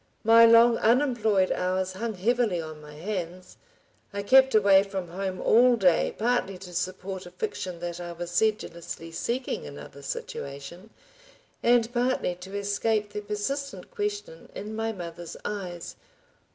My long unemployed hours hung heavily on my hands. I kept away from home all day, partly to support a fiction that I was sedulously seeking another situation, and partly to escape the persistent question in my mother's eyes.